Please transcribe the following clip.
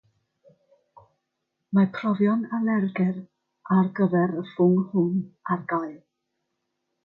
Mae profion alergedd ar gyfer y ffwng hwn ar gael.